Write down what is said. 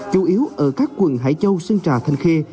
chủ yếu ở các quận hải châu sơn trà thanh khê